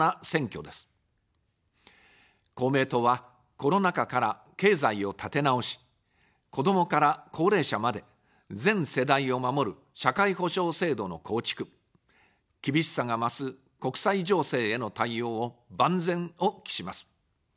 公明党は、コロナ禍から、経済を立て直し、子どもから高齢者まで、全世代を守る社会保障制度の構築、厳しさが増す国際情勢への対応を、万全を期します。